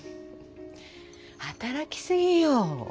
働きすぎよ。